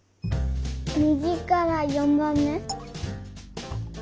みぎから４ばんめ？